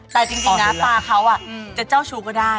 แต่จริงนะตาเขาจะเจ้าชู้ก็ได้